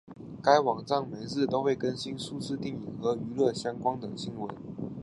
该网站每日都会更新数次电影和娱乐相关的新闻。